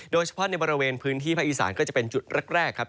โดยเฉพาะในบริเวณพื้นที่ภาคอีสานก็จะเป็นจุดแรกครับ